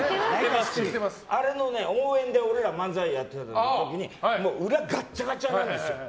あれの応援で俺ら漫才をやった時に裏、ガチャガチャなんですよ。